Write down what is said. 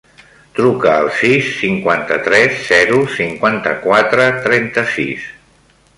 Truca al sis, cinquanta-tres, zero, cinquanta-quatre, trenta-sis.